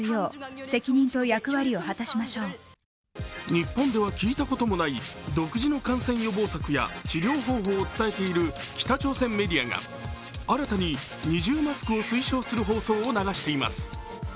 日本では聞いたこともない独自の感染予防策や治療方法を伝えている北朝鮮メディアが新たに二重マスクを推奨する放送を流しています。